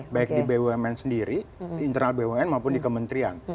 baik di bumn sendiri di internal bumn maupun di kementerian